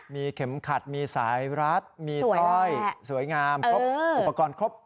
มีเข็มขัดมีสายรัดมีสร้อยสวยงามครบอุปกรณ์ครบ